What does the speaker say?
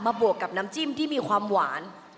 บวกกับน้ำจิ้มที่มีความหวาน